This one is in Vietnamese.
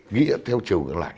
nghĩa theo chiều cường lại